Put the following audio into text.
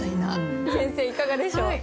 先生いかがでしょう？